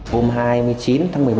hôm hai mươi chín tháng một mươi một